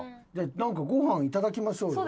何かご飯いただきましょうよ。